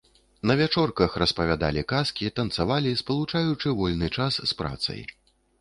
На вячорках распавядалі казкі, танцавалі, спалучаючы вольны час з працай.